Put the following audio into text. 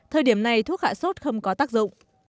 thời điểm này thuốc hạ sốt không có tác dụng